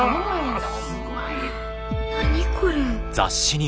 何これ。